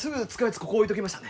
ここ置いときましたんで。